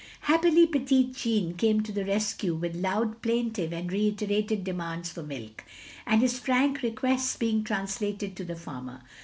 Happily petit Jean came to the rescue with loud, plaintive, and reiterated demands for milk, and his frank requests being translated to the farmer.